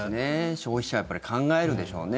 消費者は、やっぱり考えるでしょうね。